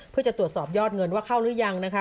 เพื่อจะตรวจสอบยอดเงินว่าเข้าหรือยังนะคะ